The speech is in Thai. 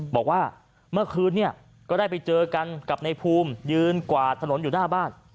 บอกว่าเมื่อคืนเนี่ยก็ได้ไปเจอกันกับในภูมิยืนกวาดถนนอยู่หน้าบ้าน